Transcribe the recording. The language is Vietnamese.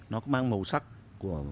nó có mang màu sắc của